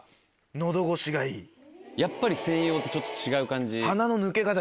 やっぱり専用ってちょっと違う感じ？